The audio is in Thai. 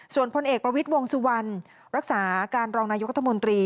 ส่วนพลเอกประวิทย์วงสุวรรณรักษาการรองนายกรัฐมนตรี